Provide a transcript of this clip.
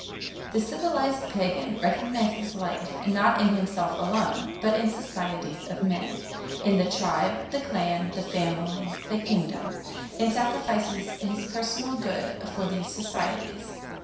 The civilized pagan recognizes life not in himself alone, but in societies of men in the tribe, the clan, the family, the kingdom and sacrifices his personal good for these societies.